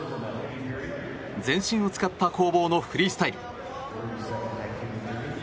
全身を使った攻防のフリースタイル。